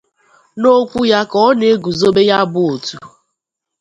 N'okwu ya ka ọ na-egùzobe ya bụ òtu